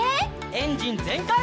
エンジンぜんかい！